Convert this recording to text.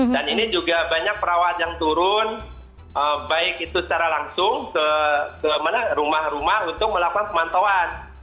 dan ini juga banyak perawat yang turun baik itu secara langsung ke rumah rumah untuk melakukan pemantauan